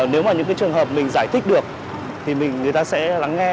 nếu mà những cái trường hợp mình giải thích được thì người ta sẽ lắng nghe